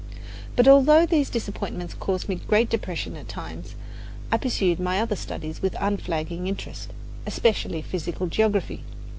But although these disappointments caused me great depression at times, I pursued my other studies with unflagging interest, especially physical geography.